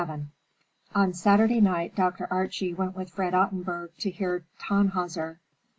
VII On Saturday night Dr. Archie went with Fred Ottenburg to hear "Tannhäuser."